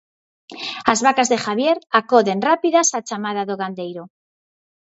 As vacas de Javier acoden rápidas á chamada do gandeiro.